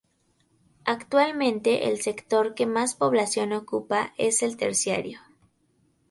Actualmente, el sector que más población ocupa es el terciario.